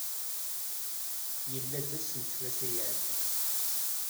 Yella-d ass n ttlata i iɛeddan.